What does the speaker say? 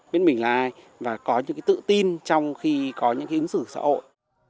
biết mình là ai và có những cái tự tin trong khi có những cái ứng xử sợ ội